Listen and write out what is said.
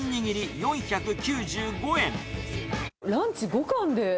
ランチ５貫で。